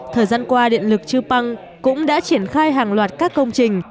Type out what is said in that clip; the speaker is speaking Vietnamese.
thời gian qua điện lực chư păng cũng đã triển khai hàng loạt các công trình